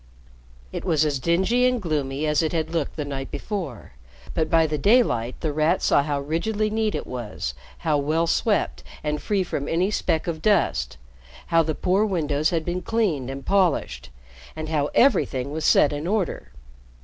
It was as dingy and gloomy as it had looked the night before, but by the daylight The Rat saw how rigidly neat it was, how well swept and free from any speck of dust, how the poor windows had been cleaned and polished, and how everything was set in order.